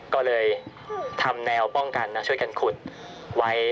ก็เลยทำแนวป้องกันช่วยกันขุดไว้